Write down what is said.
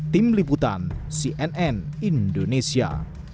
tim liputan cnn indonesia